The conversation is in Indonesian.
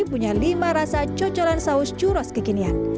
punya lima rasa cocolan saus churros kekinian